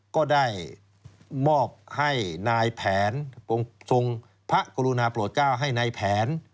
ก็ได้มอบให้นายแผนทรงพระกรุณาโปรดเก้าให้นายแผน